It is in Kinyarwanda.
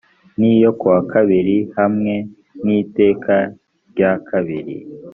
n yo kuwa kabiri hamwe n iteka rya kabiri